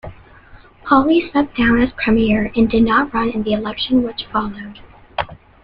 Pawley stepped down as premier and did not run in the election which followed.